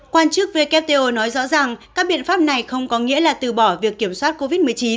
quan chức wto nói rõ rằng các biện pháp này không có nghĩa là từ bỏ việc kiểm soát covid một mươi chín